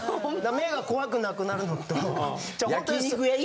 目が怖くなくなるのと。